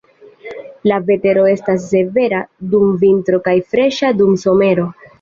La vetero estas severa dum vintro kaj freŝa dum somero.